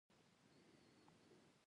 لکه څنګه چې ګورې دا لږ ترمیم ته اړتیا لري